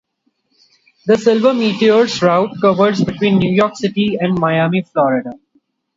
The "Silver Meteor"'s route covers between New York City and Miami, Florida.